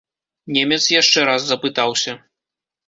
Немец яшчэ раз запытаўся.